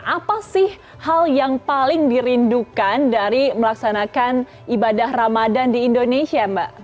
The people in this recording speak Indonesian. apa sih hal yang paling dirindukan dari melaksanakan ibadah ramadan di indonesia mbak